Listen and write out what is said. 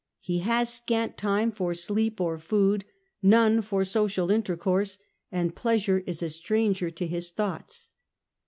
He has scant time for sleep or food, none for social intercourse, and pleasure is a stranger to his thoughts.